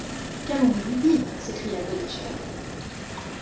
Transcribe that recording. Qu’allons-nous lui dire? s’écria Godeschal.